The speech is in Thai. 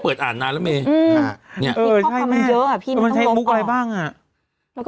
พี่เข้าข้อคำเยอะน่ะสิวะมันต้องลบออกนอกนะตามว่าคือมีใช่แม่ปุ้มใช้บุ๊บอะไรต้องอีกบ้าง